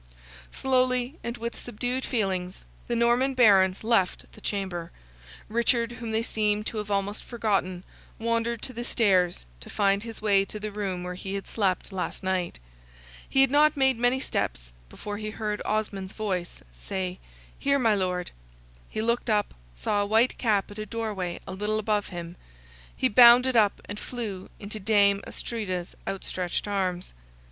Slowly, and with subdued feelings, the Norman Barons left the chamber; Richard, whom they seemed to have almost forgotten, wandered to the stairs, to find his way to the room where he had slept last night. He had not made many steps before he heard Osmond's voice say, "Here, my Lord;" he looked up, saw a white cap at a doorway a little above him, he bounded up and flew into Dame Astrida's outstretched arms.